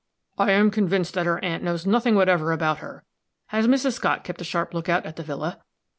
"I am convinced that her aunt knows nothing whatever about her. Has Mrs. Scott kept a sharp lookout at the villa?"